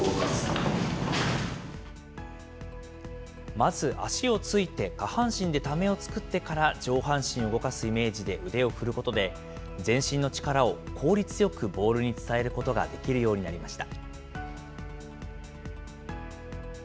まず足をついて、下半身でためを作ってから、上半身を動かすイメージで腕を振ることで、全身の力を効率よくボールに伝えることができるようになりました。